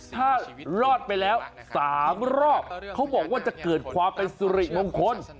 ถ้ารอดไปแล้ว๓รอบเขาบอกว่าจะเกิดความเป็นสุริมงคล